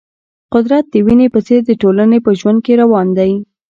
قدرت د وینې په څېر د ټولنې په ژوند کې روان دی.